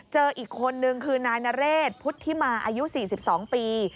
เจออีกคนนึงคือนายนเรศพุทธิมาอายุ๔๒ปี